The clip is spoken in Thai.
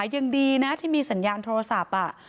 ยังดีนะที่มีสัญญาณโทรศัพท์